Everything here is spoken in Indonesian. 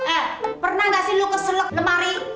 eh pernah gak sih lo keselak lemari